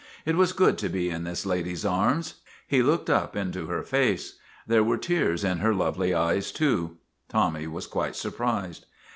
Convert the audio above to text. It was good to be in this lady's arms. He looked up into her face. There were tears in her lovely eyes, too. Tommy was quite surprised.